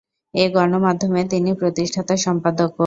এ গণমাধ্যমের তিনি প্রতিষ্ঠাতা সম্পাদকও।